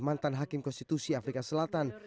mantan hakim konstitusi afrika selatan